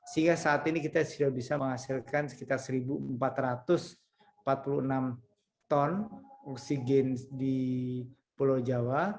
sehingga saat ini kita sudah bisa menghasilkan sekitar satu empat ratus empat puluh enam ton oksigen di pulau jawa